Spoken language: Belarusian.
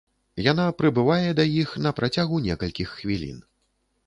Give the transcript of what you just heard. Яна прыбывае да іх на працягу некалькіх хвілін.